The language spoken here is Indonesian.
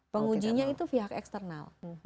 pengujinya itu pihak eksternal